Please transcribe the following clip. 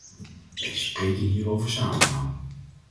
Wij spreken hier over samenhang.